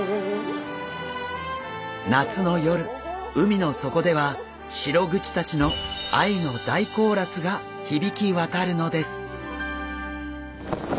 夏の夜海の底ではシログチたちの愛の大コーラスが響き渡るのです。